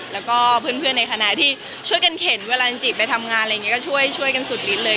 แล้วก็เพื่อนในคณะที่ช่วยกันเข็นเวลาจริงจีบไปทำงานอะไรอย่างนี้ก็ช่วยกันสุดฤทธิเลย